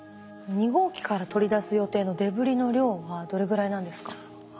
２号機から取り出す予定のデブリの量はどれぐらいなんですか？